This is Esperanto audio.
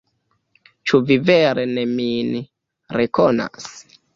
Ĉu vi vere ne min rekonas?